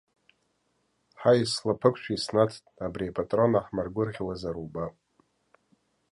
Ҳаи, слаԥықәшәа иснаҭт, абри апатрона ҳамыргәыр-ӷьауазар убап.